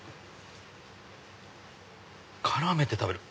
絡めて食べる。